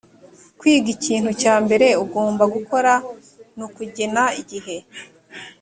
kwiga ikintu cya mbere ugomba gukora ni ukugena igihe